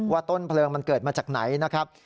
ต้นเพลิงมันเกิดมาจากไหนนะครับ